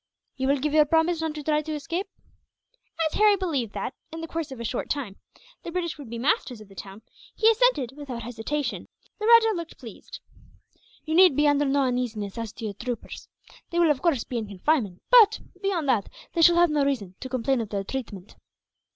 "You will give your promise not to try to escape?" As Harry believed that, in the course of a short time, the British would be masters of the town, he assented without hesitation. The rajah looked pleased. "You need be under no uneasiness as to your troopers. They will, of course, be in confinement but, beyond that, they shall have no reason to complain of their treatment."